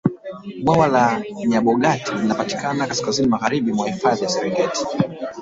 bwawa la nyabogati linapatikana kaskazini magharibi mwa hifadhi ya serengeti